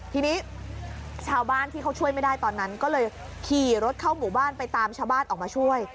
ทีนี้ชาวบ้านที่เขาช่วยไม่ได้ตอนนั้นก็เลยขี่รถเข้าหมู่บ้านไปตามชาวบ้านออกมาช่วย